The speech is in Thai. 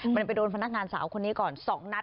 มันไปโดนพนักงานสาวคนนี้ก่อน๒นัด